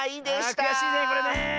ああくやしいねこれねえ。